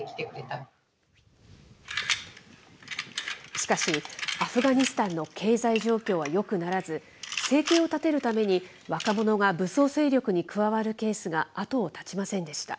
しかし、アフガニスタンの経済状況はよくならず、生計を立てるために若者が武装勢力に加わるケースが後を絶ちませんでした。